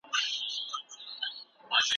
له درنو درنوبارو وم تښتېدلی